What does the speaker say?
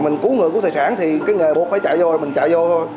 mình cứu người của thời sản thì cái nghề một phải chạy vô là mình chạy vô thôi